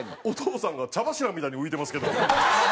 お父さんが茶柱みたいに浮いてますけど。